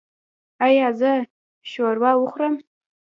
ایا زه شوروا وخورم؟